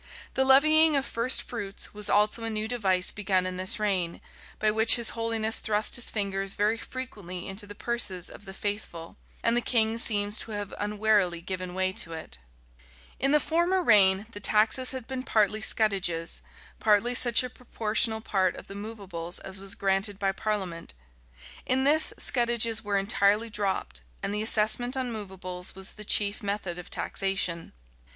The levying of first fruits was also a new device begun in this reign, by which his holiness thrust his fingers very frequently into the purses of the faithful; and the king seems to have unwarily given way to it. * Page 234. See also M. West. p. 409. Rymer, vol. ii p. 77, 107. Rymer, vol. ii p. 862. In the former reign, the taxes had been partly scutages, partly such a proportional part of the movables as was granted by parliament; in this, scutages were entirely dropped, and the assessment on movables was the chief method of taxation.